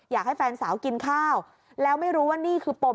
อยากให้แฟนสาวกินข้าวแล้วไม่รู้ว่านี่คือปม